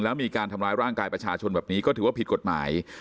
แล้วมีการทำร้ายร่างกายประชาชนแบบนี้ก็ถือว่าผิดกฎหมาย